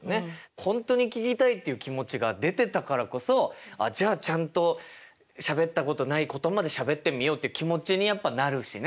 本当に聞きたいっていう気持ちが出てたからこそ「あじゃあちゃんとしゃべったことないことまでしゃべってみよう」って気持ちにやっぱなるしね。